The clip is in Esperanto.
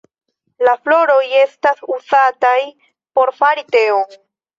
La floroj estas uzataj por fari teon.